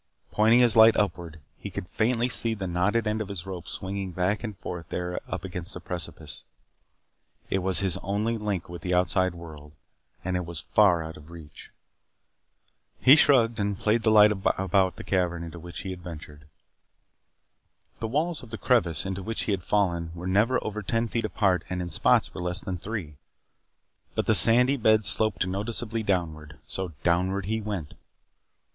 Pointing his light upward, he could faintly see the knotted end of his rope swinging back and forth up there against the precipice. It was his only link with the outside world, and it was far out of reach. He shrugged and played the light about the cavern into which he had ventured. The walls of the crevice into which he had fallen were never over ten feet apart and in spots were less than three. But the sandy bed sloped noticeably downward, so downward he went.